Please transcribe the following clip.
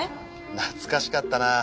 懐かしかったなぁ。